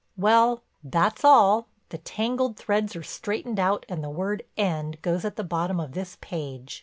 Well—that's all. The tangled threads are straightened out and the word "End" goes at the bottom of this page.